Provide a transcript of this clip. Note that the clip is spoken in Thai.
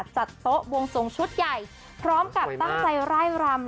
จัดโต๊ะบวงสงชุดใหญ่พร้อมกับตั้งใจไล่รำ